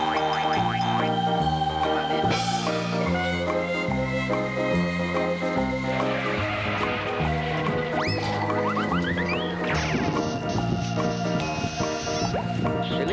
นัวเนียคอเคลียร์เล่นกันแบบนี้นะครับ